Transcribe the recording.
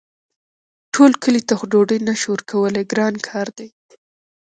ټول کلي ته خو ډوډۍ نه شو ورکولی ګران کار دی.